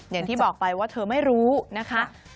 อย่างที่บอกไปว่าเธอไม่รู้นะคะ